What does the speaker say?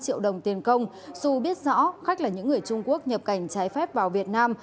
một mươi năm triệu đồng tiền công dù biết rõ khách là những người trung quốc nhập cảnh trái phép vào việt nam